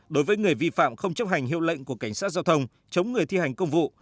đối với người vi phạm không chấp hành hiệu lệnh của cảnh sát giao thông chống người thi hành công vụ